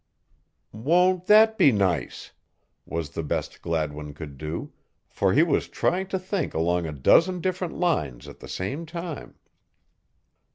"Won't that be nice?" was the best Gladwin could do, for he was trying to think along a dozen different lines at the same time.